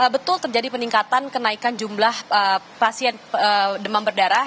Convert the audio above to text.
betul terjadi peningkatan kenaikan jumlah pasien demam berdarah